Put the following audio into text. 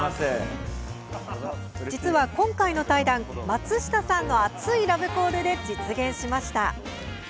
実は今回の対談、松下さんの熱いラブコールで実現しました。